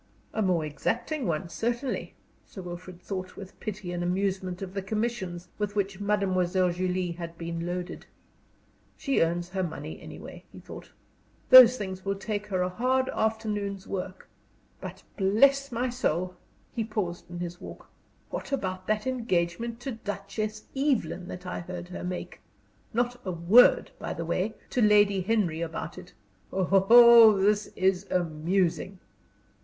A more exacting one, certainly. Sir Wilfrid thought with pity and amusement of the commissions with which Mademoiselle Julie had been loaded. "She earns her money, any way," he thought. "Those things will take her a hard afternoon's work. But, bless my soul!" he paused in his walk "what about that engagement to Duchess Evelyn that I heard her make? Not a word, by the way, to Lady Henry about it! Oh, this is amusing!"